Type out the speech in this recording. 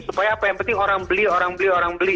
supaya apa yang penting orang beli orang beli orang beli